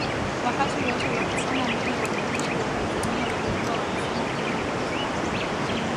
Wakati wote wakisonga mbele wanajeshi wa Tanzania walikuwa wakisema tena kwa furaha